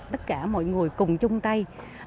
tất cả mọi người cùng chung tay